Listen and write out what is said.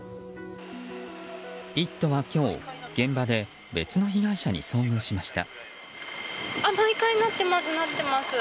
「イット！」は今日現場で別の被害者に遭遇しました。